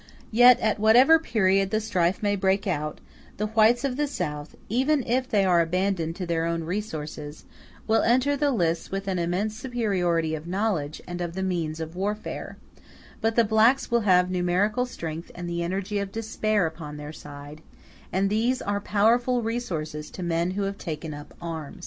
Yet, at whatever period the strife may break out, the whites of the South, even if they are abandoned to their own resources, will enter the lists with an immense superiority of knowledge and of the means of warfare; but the blacks will have numerical strength and the energy of despair upon their side, and these are powerful resources to men who have taken up arms.